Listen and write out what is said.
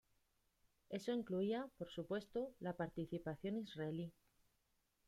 Eso incluía, por supuesto, la participación israelí.